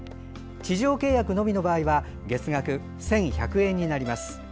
地上契約のみの場合は月額１１００円になります。